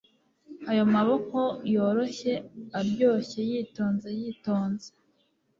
Ayo maboko yoroshye aryoshye yitonze yitonze